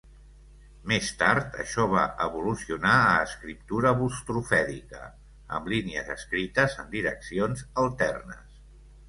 Més tard, això va evolucionar a escriptura bustrofèdica amb línies escrites en direccions alternes.